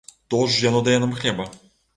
То ж яно дае нам хлеба!